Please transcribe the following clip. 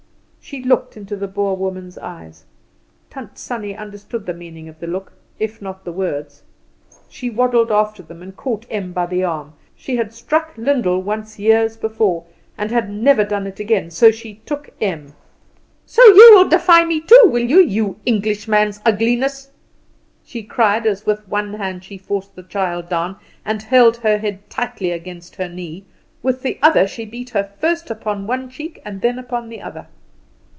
She looked into the Boer woman's eyes. Tant Sannie understood the meaning of the look if not the words. She waddled after them, and caught Em by the arm. She had struck Lyndall once years before, and had never done it again, so she took Em. "So you will defy me, too, will you, you Englishman's ugliness!" she cried, and with one hand she forced the child down, and held her head tightly against her knee; with the other she beat her first upon one cheek, and then upon the other.